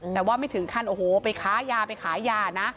แต่ว่าไม่ถึงขั้นโอ้โฮไปขายยานะ